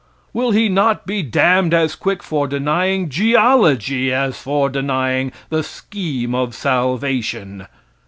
Will he not be damned as quick for denying geology as for denying the scheme of salvation?